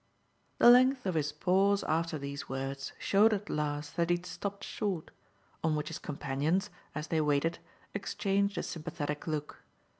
The length of his pause after these words showed at last that he had stopped short; on which his companions, as they waited, exchanged a sympathetic look.